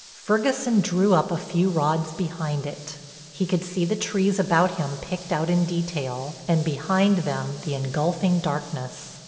Ferguson drew up a few rods behind it. He could see the trees about him picked out in detail and behind them the engulfing darkness.